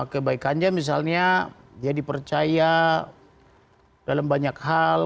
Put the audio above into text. kebaikannya misalnya dia dipercaya dalam banyak hal